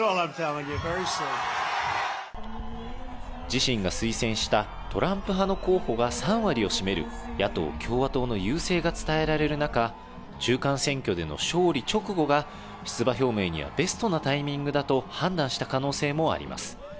自身が推薦したトランプ派の候補が３割を占める野党・共和党の優勢が伝えられる中、中間選挙での勝利直後が出馬表明にはベストなタイミングだと判断した可能性もあります。